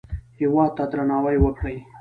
هېواد ته درناوی وکړئ